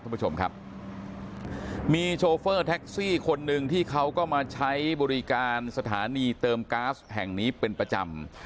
คุณผู้ชมครับมีโชเฟอร์แท็กซี่คนหนึ่งที่เขาก็มาใช้บริการสถานีเติมก๊าซแห่งนี้เป็นประจำ